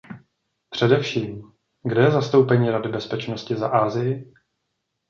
Především, kde je zastoupení Rady bezpečnosti za Asii?